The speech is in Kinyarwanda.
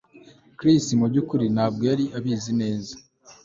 Chris mubyukuri ntabwo yari abizi neza